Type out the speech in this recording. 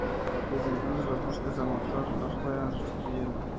Desde entonces los buques a motor los fueron sustituyendo.